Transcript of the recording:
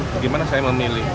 bagaimana saya memilih